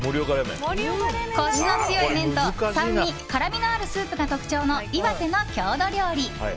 コシの強い麺と酸味、辛みのあるスープが特徴の岩手の郷土料理。